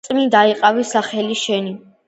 წმიდა იყავნ სახელი შენი